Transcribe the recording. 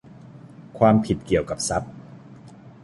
ความผิดเกี่ยวกับทรัพย์